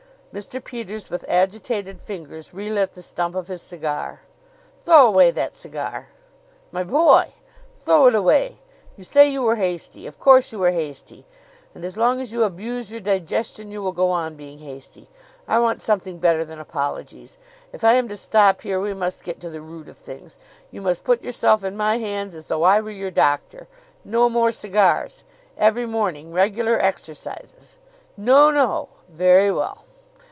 Mr. Peters, with agitated fingers, relit the stump of his cigar. "Throw away that cigar!" "My boy!" "Throw it away! You say you were hasty. Of course you were hasty; and as long as you abuse your digestion you will go on being hasty. I want something better than apologies. If I am to stop here we must get to the root of things. You must put yourself in my hands as though I were your doctor. No more cigars. Every morning regular exercises." "No, no!" "Very well!"